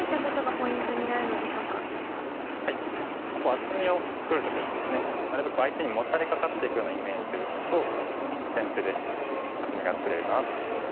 厚みを作る時はですねなるべく相手にモタれかかっていくようなイメージで打つと先手で厚みが作れるかなと思います。